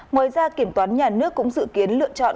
ngoài ra kiểm toán nhà nước cũng dự kiến lựa chọn